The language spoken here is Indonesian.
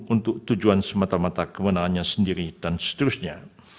untuk tujuan semata mata kewenangannya sendiri dan seterusnya